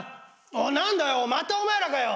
何だよまたお前らかよ。